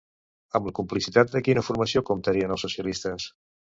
Amb la complicitat de quina formació comptarien els socialistes?